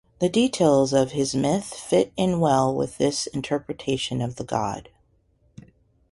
The details of his myth fit in well with this interpretation of the god.